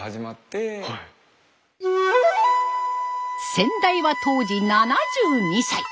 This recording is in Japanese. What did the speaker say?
先代は当時７２歳。